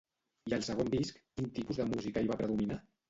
I al segon disc quin tipus de música hi va predominar?